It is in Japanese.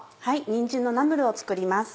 にんじんのナムルを作ります。